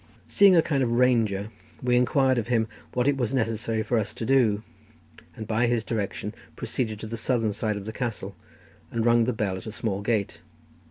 Seeing a kind of ranger, we inquired of him what it was necessary for us to do, and by his direction proceeded to the southern side of the castle, and rung the bell at a small gate.